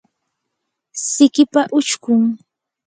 sikipa uchkun